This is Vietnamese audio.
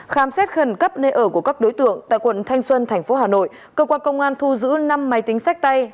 khám xét khẩn cấp nơi ở của các đối tượng tại quận thanh xuân tp hà nội cơ quan công an thu giữ năm máy tính sách tay